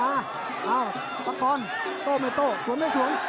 อ้าวปังกรโต้ไม่โต้สวนไม่สวน